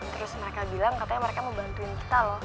terus mereka bilang katanya mereka mau bantuin kita loh